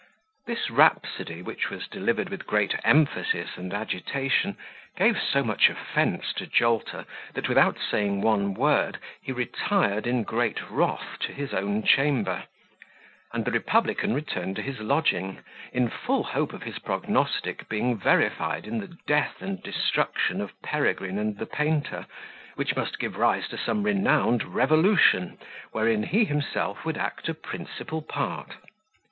This rhapsody, which was delivered with great emphasis and agitation, gave so much offence to Jolter, that, without saying one word, he retired in great wrath to his own chamber; and the republican returned to his lodging, in full hope of his prognostic being verified in the death and destruction of Peregrine and the painter, which must give rise to some renowned revolution, wherein he himself would act a principal part.